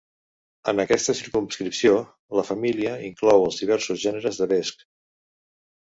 En aquesta circumscripció, la família inclou els diversos gèneres de vescs.